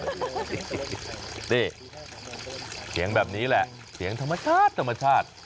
นี่เสียงแบบนี้แหละเสียงธรรมชาติธรรมชาติ